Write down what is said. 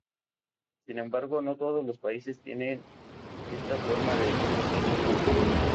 Sin embargo, no todos los países tienen esta forma de dominio público.